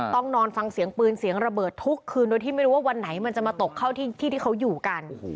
ต้องนอนฟังเสียงปืนเสียงระเบิดทุกคืนโดยที่ไม่รู้ว่าวันไหนมันจะมาตกเข้าที่ที่เขาอยู่กัน